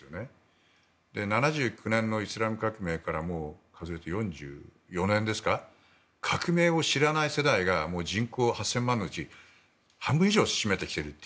７９年のイスラム革命から４４年ですから革命を知らない世代が人口８０００万のうち半分以上を占めてきていると。